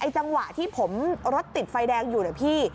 จังหวะที่ผมรถติดไฟแดงอยู่นะพี่